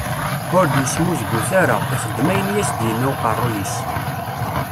Ur d-yesmuzgut ara, ixeddem ayen i as-d-yenna uqerruy-is.